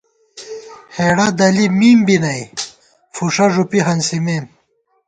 ہېڑہ دلی مِمېم بی نئ، فُوݭہ ݫُوپی ہنسِمېم